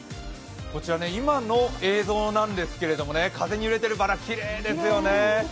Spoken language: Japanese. こちら、今の映像なんですけれども、風に揺れているバラ、きれいですよね。